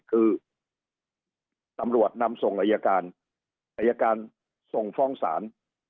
คือตำรวจนำส่งอายการอายการส่งฟ้องศาล